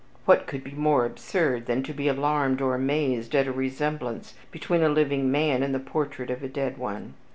What could be more absurd, than to be alarmed or amazed at a resemblance between a living man and the portrait of a dead one!